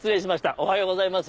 おはようございます。